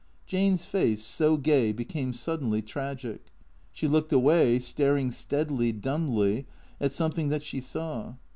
Jane's face, so gay, became suddenly tragic. She looked away, staring steadily, dumbly, at something that she saw.